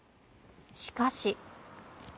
しかし。